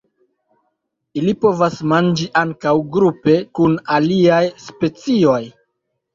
Ili povas manĝi ankaŭ grupe kun aliaj specioj.